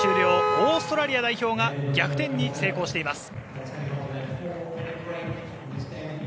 オーストラリア代表が逆転に成功しています。